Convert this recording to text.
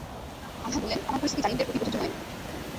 আল্লাহ বললেন, আমার প্রতিশ্রুতি জালিমদের প্রতি প্রযোজ্য নয়।